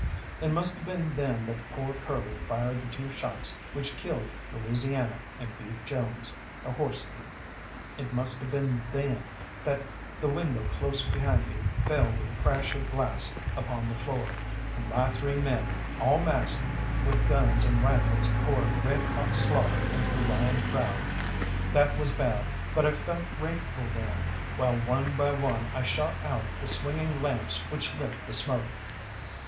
It must have been then that poor Curly fired the two shots which killed Louisiana and Beef Jones, the horse thief. It must have been then that the window close beside me fell with a crash of glass upon the floor, and my three men, all masked, with guns and rifles poured red hot slaughter into the Ryan crowd. That was bad, but I felt grateful then, while one by one I shot out the swinging lamps which lit the smoke.